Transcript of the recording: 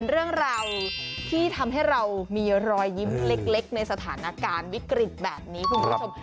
เรื่องราวที่ทำให้เรามีรอยยิ้มเล็กในสถานการณ์วิกฤตแบบนี้คุณผู้ชม